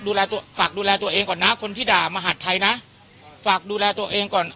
ฝากดูแลตัวเองก่อนนะคนที่ด่ามหาดไทยนะฝากดูแลตัวเองก่อน